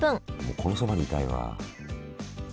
このそばにいたいわ。